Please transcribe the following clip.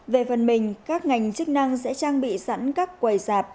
về phần mình các ngành chức năng sẽ trang bị sẵn các quầy dạp